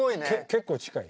結構近い？